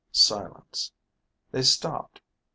Silence. They stopped.